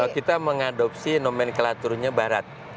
kita mengadopsi nomenklaturnya barat